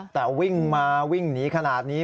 แต่วิ่งมาวิ่งหนีขนาดนี้